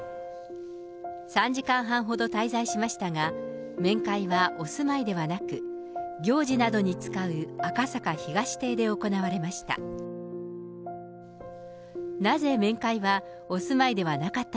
３時間半ほど滞在しましたが、面会はお住まいではなく、行事などに使う赤坂東邸で行われました。